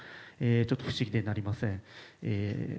ちょっと不思議でなりません。